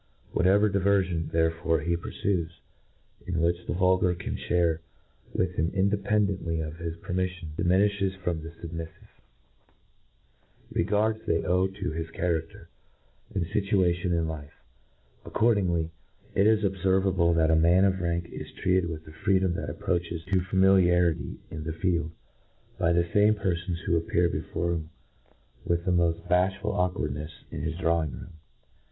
Whatever diverfion, therefore, he purfues, in which the vulgar can (hare with him independent ly of his permiffion, diminiflies from the fubmif five. 4^ INTRODUCTION, five regards they owe to hi$ charafter and fituar tion in life j and accordingly, it is obfervable, that a man of rank is treated with a freedom that approaches to familiarity in the field, by the famp petfons who appear before him with the moft bafhful aukw.ardnefs, in his drawing room.